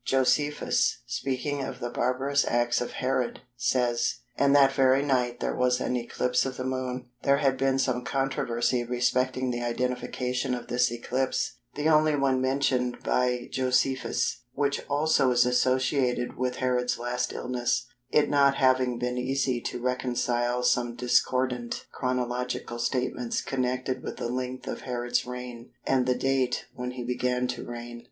Josephus speaking of the barbarous acts of Herod, says:—"And that very night there was an eclipse of the Moon." There has been some controversy respecting the identification of this eclipse (the only one mentioned by Josephus) which also is associated with Herod's last illness, it not having been easy to reconcile some discordant chronological statements connected with the length of Herod's reign and the date when he began to reign.